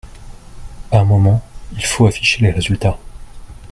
À un moment, il faut afficher les résultats.